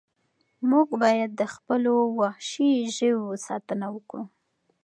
موږ باید د خپلو وحشي ژویو ساتنه وکړو.